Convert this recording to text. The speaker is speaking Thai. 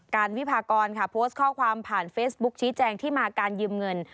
การวิพากรค่ะโพสต์ข้อความผ่านเฟซบุ๊คชี้แจงที่มาการยืมเงิน